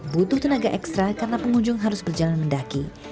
butuh tenaga ekstra karena pengunjung harus berjalan mendaki